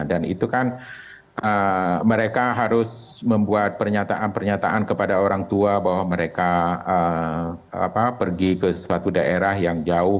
dan itu kan mereka harus membuat pernyataan pernyataan kepada orang tua bahwa mereka pergi ke suatu daerah yang jauh